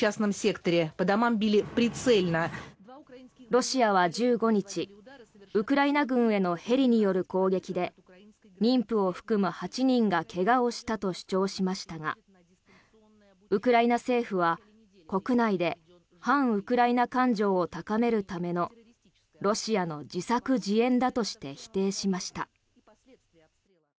ロシアは１５日ウクライナ軍へのヘリによる攻撃で妊婦を含む８人が怪我をしたと主張しましたがウクライナ政府は、国内で反ウクライナ感情を高めるためのロシアの自作自演だとして否定しました。